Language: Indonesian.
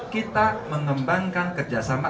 kita mengembangkan kerjasama